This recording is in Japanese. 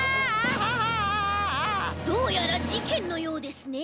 どうやらじけんのようですね。